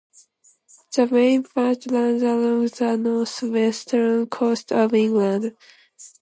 The main part runs along the northwestern coast of England.